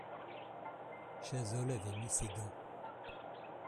Chazolles avait mis ses gants.